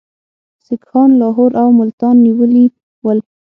سیکهان لاهور او ملتان نیولي ول.